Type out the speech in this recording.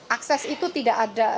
akses itu tidak ada